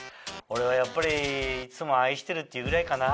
俺はやっぱり「いつも愛してる」って言うぐらいかな。